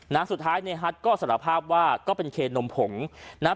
นะสุดท้ายในฮัทก็สารภาพว่าก็เป็นเคนมผงนะฮะ